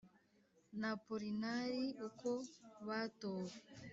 n'apolinari uko batowe